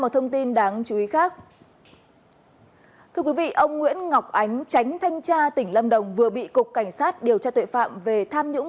thưa quý vị ông nguyễn ngọc ánh tránh thanh tra tỉnh lâm đồng vừa bị cục cảnh sát điều tra tội phạm về tham nhũng